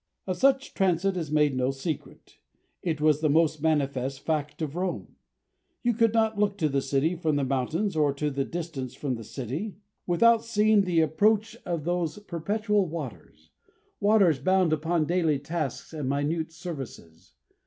Of such a transit is made no secret. It was the most manifest fact of Rome. You could not look to the city from the mountains or to the distance from the city without seeing the approach of those perpetual waters waters bound upon daily tasks and minute services.